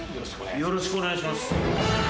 よろしくお願いします。